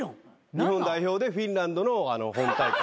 日本代表でフィンランドの本大会。